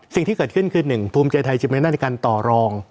สิ่งที่เกิดขึ้นคือหนึ่งภูมิใจไทยจะไม่ได้การต่อรอง